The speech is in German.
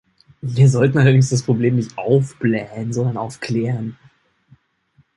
Wir sollten allerdings das Problem nicht aufblähen, sondern aufklären.